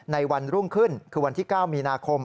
วันรุ่งขึ้นคือวันที่๙มีนาคม